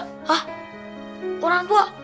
hah orang tua